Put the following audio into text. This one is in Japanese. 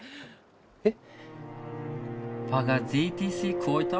えっ？